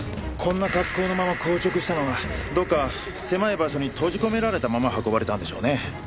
こんな格好のまま硬直したのはどこか狭い場所に閉じ込められたまま運ばれたんでしょうね。